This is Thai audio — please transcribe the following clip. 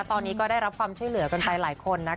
ตอนนี้ก็ได้รับความช่วยเหลือกันไปหลายคนนะคะ